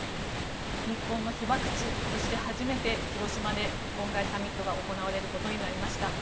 日本の被爆地として初めて広島で今回、サミットが行われることになりました。